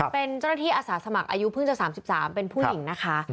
เป็นเจ้าหน้าที่อาสาสมัครอายุเพิ่งจะ๓๓เป็นผู้หญิงนะคะ